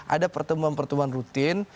ada pertemuan pertemuan rutin